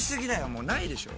もうないでしょ。